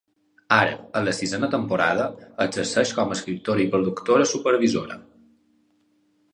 Ara, en la sisena temporada, exerceix com a escriptora i productora supervisora.